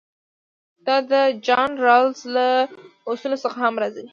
دا د جان رالز له اصولو څخه هم راځي.